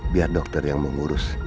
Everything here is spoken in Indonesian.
biar dokter yang mengurus